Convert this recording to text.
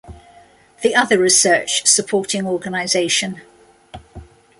The other research supporting organization.